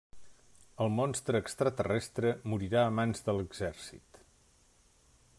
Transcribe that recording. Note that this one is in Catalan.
El monstre extraterrestre morirà a mans de l'exèrcit.